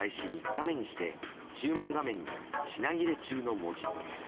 ３日目にして注文画面に品切れ中の文字。